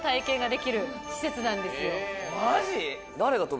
マジ？